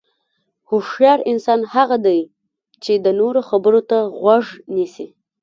هوښیار انسان هغه دی چې د نورو خبرو ته غوږ نیسي.